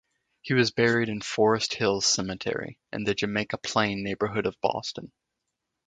He was buried in Forest Hills Cemetery in the Jamaica Plain neighborhood of Boston.